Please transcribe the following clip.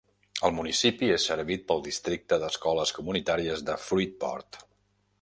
El municipi és servit pel districte d'escoles comunitàries de Fruitport.